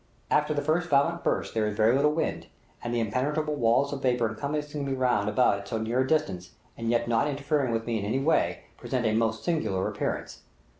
After the first violent burst there is very little wind, and the impenetrable walls of vapor encompassing me round about at so near a distance, and yet not interfering with me in any way, present a most singular appearance.